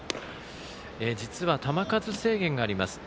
実は球数制限があります。